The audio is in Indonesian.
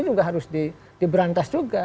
juga harus diberantas juga